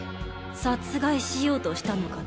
殺害しようとしたのか？